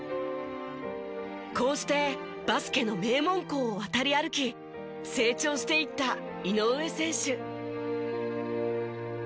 こうしてバスケの名門校を渡り歩き成長していった井上選手。